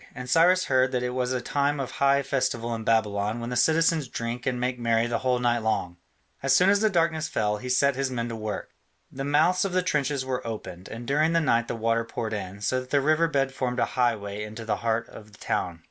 And Cyrus heard that it was a time of high festival in Babylon when the citizens drink and make merry the whole night long. As soon as the darkness fell, he set his men to work. The mouths of the trenches were opened, and during the night the water poured in, so that the river bed formed a highway into the heart of the town.